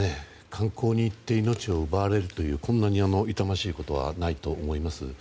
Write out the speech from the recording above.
観光に行って命を奪われるというこんなに痛ましいことはないと思います。